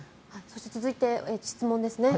そして、続いて質問です。